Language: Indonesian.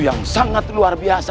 yang sangat luar biasa